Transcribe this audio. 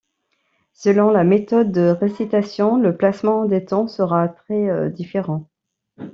Selon la méthode de récitation, le placement des tons sera très différent.